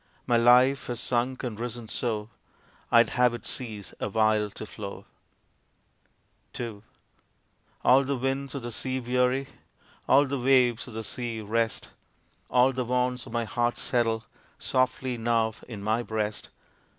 My life has sunk and risen so, I'd have it cease awhile to flow. II All the winds of the sea weary, All the waves of the sea rest, All the wants of my heart settle Softly now in my breast.